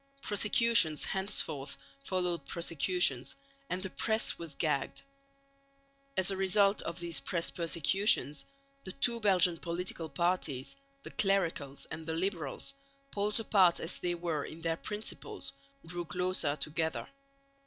Prosecutions henceforth followed prosecutions, and the press was gagged. As a result of these press persecutions, the two Belgian political parties, the clericals and the liberals, poles apart as they were in their principles, drew closer together.